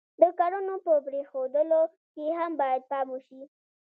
د کړنو په پرېښودلو کې هم باید پام وشي.